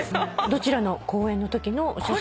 どちらの公演のときのお写真？